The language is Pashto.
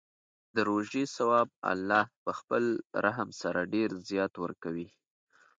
د روژې ثواب الله په خپل رحم سره ډېر زیات ورکوي.